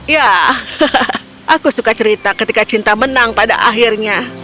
ya aku suka cerita ketika cinta menang pada akhirnya